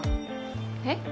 えっ？